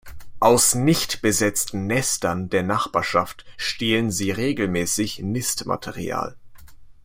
Aus nicht besetzten Nestern in der Nachbarschaft stehlen sie regelmäßig Nistmaterial.